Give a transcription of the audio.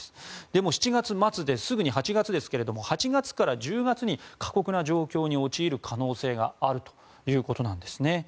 もう７月末ですぐに８月ですが８月から１０月に過酷な状況に陥る可能性があるということなんです。